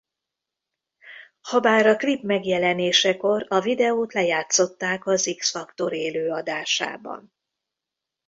Habár a klip megjelenésekor a videót lejátszották az X Factor élő adásában.